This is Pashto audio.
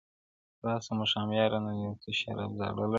راسه ماښامیاره نن یو څه شراب زاړه لرم-